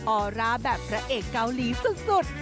ออร่าแบบพระเอกเกาหลีสุด